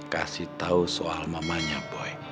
kasih tahu soal mamanya boy